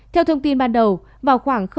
theo thông tin ban đầu vào khoảng h bốn mươi năm